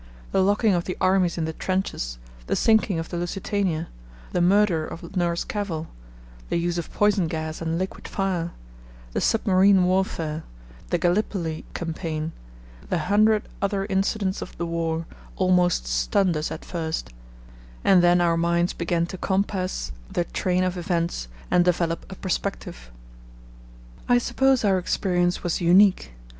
The locking of the armies in the trenches, the sinking of the Lusitania, the murder of Nurse Cavell, the use of poison gas and liquid fire, the submarine warfare, the Gallipoli campaign, the hundred other incidents of the war, almost stunned us at first, and then our minds began to compass the train of events and develop a perspective. I suppose our experience was unique.